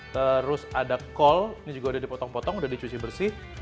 terus ada kol ini juga udah dipotong potong udah dicuci bersih